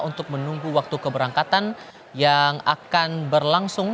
untuk menunggu waktu keberangkatan yang akan berlangsung